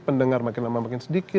pendengar makin lama makin sedikit